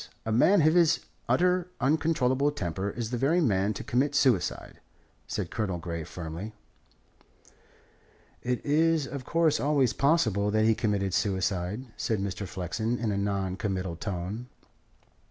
A man of his utterly uncontrollable temper is the very man to commit suicide," said Colonel Grey firmly. "It is, of course, always possible that he committed suicide," said Mr. Flexen in a non committal tone.